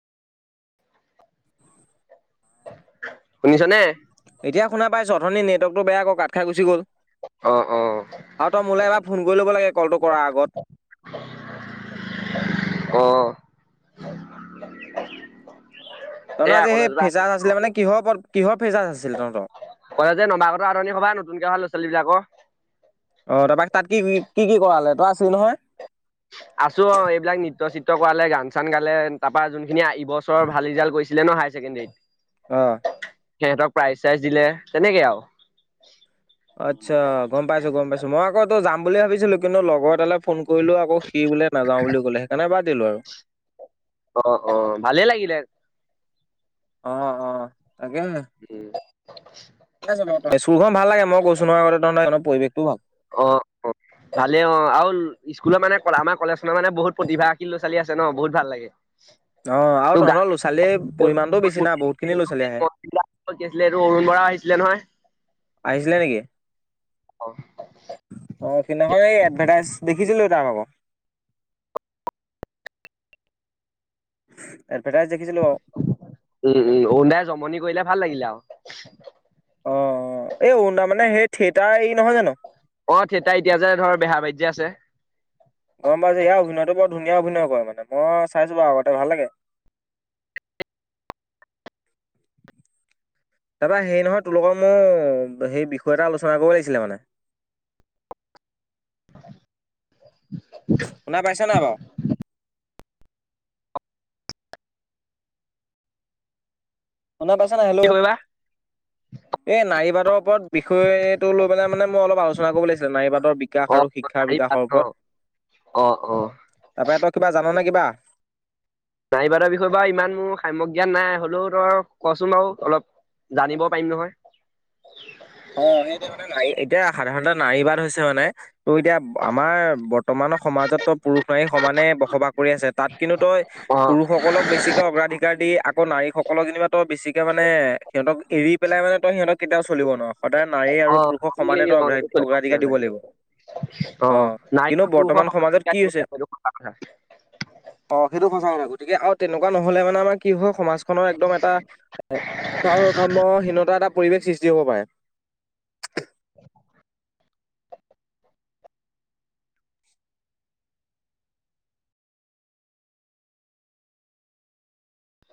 শুনিছ নে? এতিয়া শুনা পাইছ অথনী নেৱৰ্কটো বেয়া ক কাট খাই গুচি গ'ল। অ', অ', আৰু তই মোলৈ এবাৰ ফোন কৰি ল'ব লাগে কলটো কৰাৰ আগত। আহ! [inaudible] তহত আজি ফেচাজ আছিলে মানে কিহৰ ওপৰত কিহৰ ফেচাছ আছিল তহঁত। কয় যে নমাগত সভা নতুনকে অহা ল'ৰা ছোৱালীবীলাক। অঁ তাৰপৰা তাত কি কি কি কি কৰালে তই আছিলি নহয়। আছো অঁ' এইবিলাক নৃত্য চিত্ৰ কৰালে গান চান গালে তাৰপা যোনখিনি এইবছৰৰ ভাল ৰিজাল্ট কৰিছে- ছিলে ন হায়াৰ ছেকেণ্ডাৰীত- অঁ! সিহঁতক প্ৰাইজ চাইজ দিলে তেনেকে আও। আচ্ছা গম পাইছো গম পাইছো মই আকৌ যাম বুলি ভাবিছিলো কিন্তু লগৰ এটালে- ফোন কৰিলো আকৌ সি বোলে নাযাওঁ বুলি ক'লে সেইকাৰণে বাদ দিলো আও। অঁ অঁ ভালেই লাগিলে- অঁ অঁ তাকেহে। [inaudible] স্কুল খন ভাল লাগে মই গৈছোঁ নহৈ আগতে তই পৰিৱেশটো ভাল- অঁ অঁ- ভালে অ' আৰু স্কুলৰ মানে আমাৰ কলেজ খনত মানে বহুত প্ৰতিভশীল ল'ৰা ছোৱালী আছে ন বহুত ভাল লাগে। [inaudible] অঁ আৰু তোৰ গান তহঁতৰ ল'ৰা ছোৱালীৰ পৰিমাণটো বেছি না বহুতখিনি ল'ৰা ছোৱালী আহে। কি আছিলে এইটো অৰুণ বৰা আহিছিলে নহয়। আহিছিলে নেকি অঁ সিদিনাখন এয়াত এভাদাইজ দেখিছিলোঁ তাক আকৌ আদবেটাইছ দেখিছিলো আৰু- উমঁ উমঁ অৰুণ দাই জমনি কৰিলে ভাল লাগিলে আও। অঁ এই অৰুণ দা মানে সেই থিয়েটাৰ এই নহয় জানো- অঁ থিয়েটাৰ এতিয়া যে ধৰ বেহাবাৰীত যে আছে। গম পাইছ যে ইয়াৰ অভিনয়তটো বৰ ধুনীয়া অভিনয় কৰে মানে মই চাইছো বাও আগতে ভাল লাগে। তাৰপৰা হেৰি নহয় তোৰ লগত মোৰ সেই বিষয় এটা আলোচনা কৰিব লাগিছিলে মানে। শুনা পাইছা নাই বাৰু- শুনা পাইছা নাই হেল্লো কি কৰিবা এই নাৰীবাদৰ ওপৰত- বিষয়ে এইটো লৈ পেলাই মানে মই অলপ আলোচনা কৰিব লাগিছিলে নাৰীবাদৰ বিকাশ অ আৰু শিক্ষাৰ নাৰীবাদ বিকাশৰ ন ওপৰত অ, অ' তাৰপৰা তই কিবা জাননে কিবা নাৰীবাদৰ বিষয়ে বাৰু ইমান মোৰ সাম্যক জ্ঞান নাই, হ'লেও তই কচোন বাৰু অলপ জানিব পাৰিম নহয় অ' সেইটোৱে মানে নাৰী এতিয়া সাধাৰণতে নাৰী বাদ হৈছে মানে, ত' এতিয়া আমাৰ বৰ্তমানৰ সমাজত পুৰুষ নাৰী সমানে বসবাস কৰি আছে, তাত কিন্তু তই অ পুৰুষসকলক বেছিকে অগ্ৰাধিক কাৰ দি আকৌ নাৰীসকলক যেনিবা তই বেছিকে মানে সিহঁতক এৰি পেলাই মানে তই সিহঁতক কেতিয়াও চলিব নোৱাৰ সদায় নাৰী অ অ আৰু পুৰুষক সমানে তই অগ্ৰাধিকাৰ দিব লাগিব। অ', কিন্তু বৰ্তমান সমাজত কি হৈছে নাৰী [unintelligible] অ' সেইটো সচা কথা। গতিকে আৰু তেনেকুৱা নহলে মানে আমাৰ কি হয় সমাজখনৰ একদম এটা ভাৰসাম্যহীনতা এটা পৰিৱেশ সৃষ্টি হব পাৰে [inaudible]